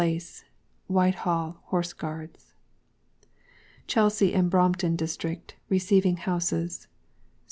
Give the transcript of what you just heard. Millbank, Ponsonby place. Whitehall, Horse Guards. CHELSEA AND BROMPTON DISTRICT. RECEIVING HOUSES.